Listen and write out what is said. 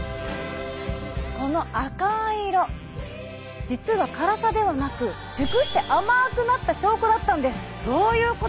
この赤い色実は辛さではなく熟して甘くなった証拠だったんです！